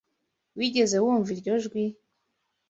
Wigeze wumva iryo jwi?